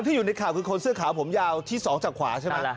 อยู่ในข่าวคือคนเสื้อขาวผมยาวที่๒จากขวาใช่ไหม